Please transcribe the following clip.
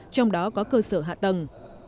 trong đó có cơ sở hạ tầng